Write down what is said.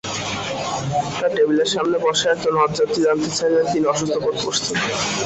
তাঁর টেবিলের সামনে বসা একজন হজযাত্রী জানতে চাইলেন, তিনি অসুস্থ বোধ করছেন।